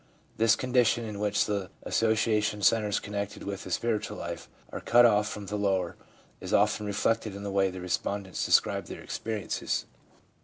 This condition in which the association centres connected with the spiritual life are cut off from the lower is often reflected in the way the respondents describe their experiences.